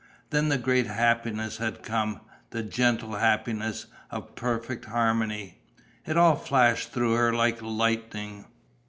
Then the great happiness had come, the gentle happiness of perfect harmony!... It all flashed through her like lightning.